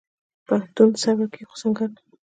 پښتون سر ورکوي خو سنګر نه.